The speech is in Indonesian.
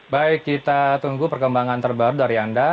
baik kita tunggu perkembangan terbaru dari anda